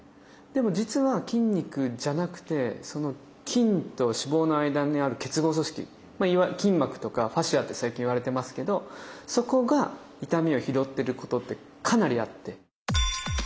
でも実は筋肉じゃなくてその筋と脂肪の間にある結合組織いわゆる筋膜とかファシアって最近いわれてますけどそこが痛みを拾ってることってかなりあって。